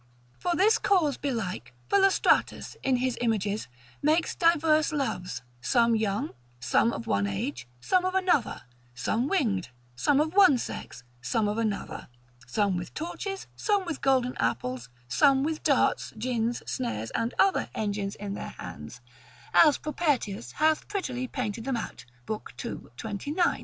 For this cause belike Philostratus, in his images, makes diverse loves, some young, some of one age, some of another, some winged, some of one sex, some of another, some with torches, some with golden apples, some with darts, gins, snares, and other engines in their hands, as Propertius hath prettily painted them out, lib. 2. et 29.